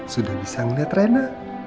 sudah bisa ngeliat rena